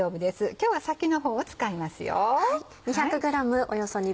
今日は先の方を使いますよ。